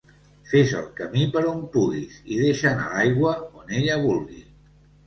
Fes el camí per on puguis i deixa anar l'aigua on ella vulgui.